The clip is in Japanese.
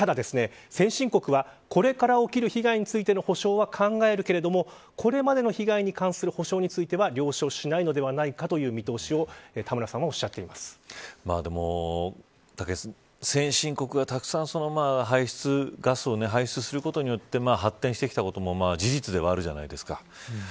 ただ、先進国はこれから起こる被害についての補償は考えるけれどもこれまでの被害に関する補助については了承しないのではないかという見通しを先進国がたくさんガスを排出することによって発展してきたことも事実ではあるじゃないですか。